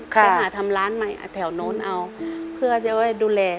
ไปหาทำร้านใหม่แถวโน้นเอาเพื่อจะไว้ดูแล